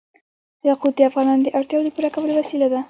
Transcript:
یاقوت د افغانانو د اړتیاوو د پوره کولو وسیله ده.